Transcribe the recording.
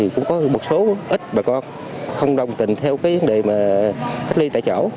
cũng có một số ít bà con không đồng tình theo cái vấn đề mà cách ly tại chỗ